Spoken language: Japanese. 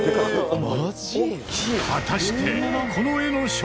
果たして。